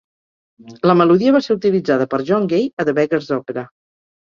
La melodia va ser utilitzada per John Gay a "The Beggar's Opera".